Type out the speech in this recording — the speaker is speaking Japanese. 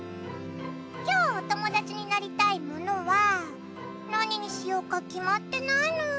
きょうおともだちになりたいモノは何にしようか決まってないの。